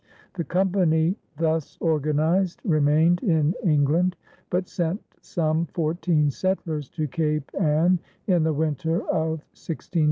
The company thus organized remained in England but sent some fourteen settlers to Cape Ann in the winter of 1623 1624.